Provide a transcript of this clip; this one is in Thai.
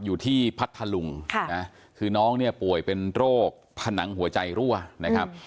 อยู่ที่พัทลุงคือน้องป่วยเป็นโรคผนังหัวใจรั่วนะครับ